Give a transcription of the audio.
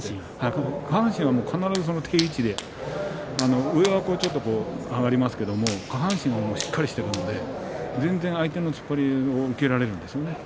下半身が必ず定位置で上がちょっと上がりますけど下半身がしっかりしているので全然相手の突っ張りを受けられるんですね。